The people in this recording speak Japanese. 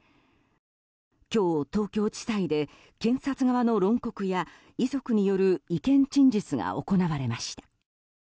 今日、東京地裁で検察側の論告や遺族による意見陳述が行われました。